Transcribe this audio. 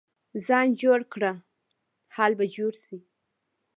ځان جوړ کړه، حال به جوړ شي.